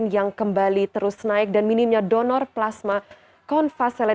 yang kembali terus naik dan minimnya donor plasma konvaselen